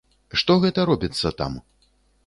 Што гэта робіцца там?